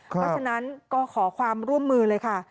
เพราะฉะนั้นก็ขอความร่วมมือเลยค่ะ